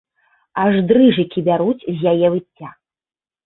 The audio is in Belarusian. Аж дрыжыкі бяруць з яе выцця!